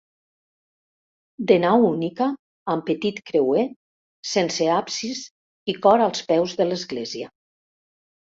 De nau única, amb petit creuer, sense absis i cor als peus de l'església.